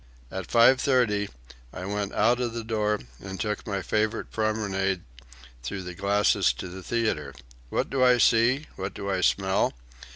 At 5:30 I went out of the door and took my favorite promenade through the Glacis to the theatre. What do I see? What do I smell?